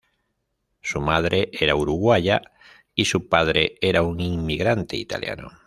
Su madre era uruguaya y su padre era un inmigrante italiano.